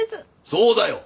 そうだよ！